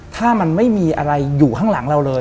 ถ้ามันไม่มีอะไรอยู่ข้างหลังเราเลย